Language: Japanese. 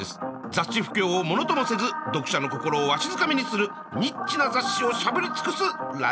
雑誌不況をものともせず読者の心をわしづかみにするニッチな雑誌をしゃぶり尽くすラジオの時間です。